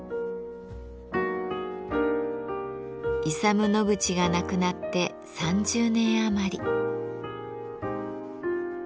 イサム・ノグチが亡くなって３０年余り。